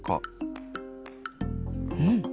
うん！